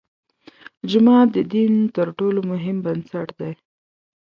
جومات د دین تر ټولو مهم بنسټ دی.